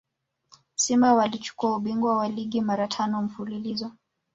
simba walichukua ubingwa wa ligi mara tano mfululizo